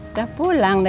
udah pulang dede